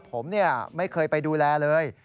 ผมไม่เคยไปดูแลเลย